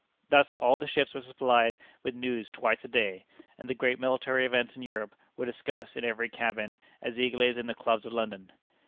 Thus all the ships were supplied with news twice a day, and the great military events in Europe were discussed in every cabin as eagerly as in the clubs of London.